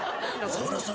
そろそろ。